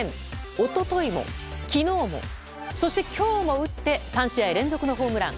一昨日も、昨日もそして今日も打って３試合連続のホームラン。